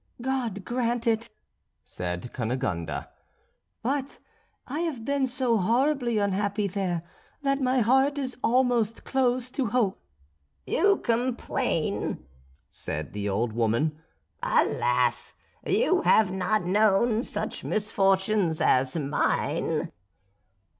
"God grant it," said Cunegonde; "but I have been so horribly unhappy there that my heart is almost closed to hope." "You complain," said the old woman; "alas! you have not known such misfortunes as mine."